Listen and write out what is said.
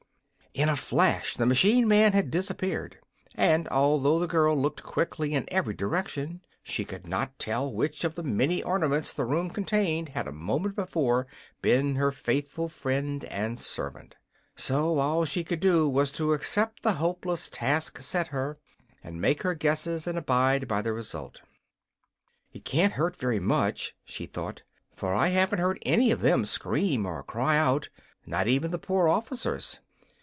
In a flash the machine man had disappeared, and although the girl looked quickly in every direction, she could not tell which of the many ornaments the room contained had a moment before been her faithful friend and servant. So all she could do was to accept the hopeless task set her, and make her guesses and abide by the result. "It can't hurt very much," she thought, "for I haven't heard any of them scream or cry out not even the poor officers.